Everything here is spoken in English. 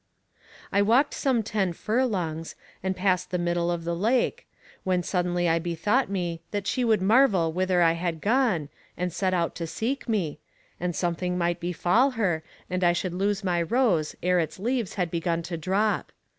I had walked some ten furlongs, and passed the middle of the lake, when suddenly I bethought me that she would marvel whither I had gone, and set out to seek me, and something might befall her, and I should lose my rose ere its leaves had begun to drop.